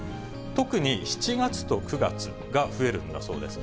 特に７月と９月が増えるんだそうです。